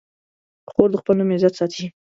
خور د خپل نوم عزت ساتي.